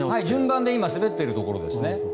順番に今滑っているところですね。